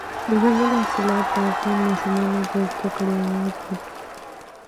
دځنګل حاصلات د افغان ماشومانو د زده کړې یوه موضوع ده.